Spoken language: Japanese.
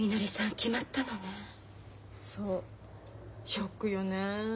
ショックよねえ。